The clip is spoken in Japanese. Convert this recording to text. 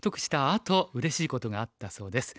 あとうれしいことがあったそうです。